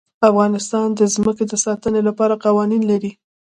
افغانستان د ځمکه د ساتنې لپاره قوانین لري.